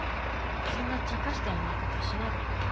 そんなちゃかしたような言い方しないでくれる？